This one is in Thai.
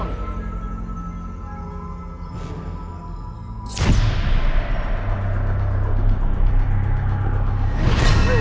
ไปไอ้มายอยู่ออกชีวิตให้ไว้